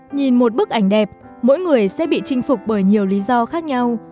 nhìn một bức ảnh đẹp mỗi người sẽ bị chinh phục bởi nhiều lý do khác nhau